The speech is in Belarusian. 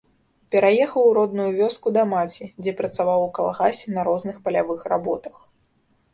Пераехаў у родную вёску да маці, дзе працаваў у калгасе на розных палявых работах.